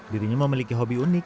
dirinya memiliki hobi unik